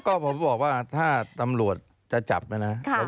ก็ผมบอกว่าถ้าตำรวจจะจับนะ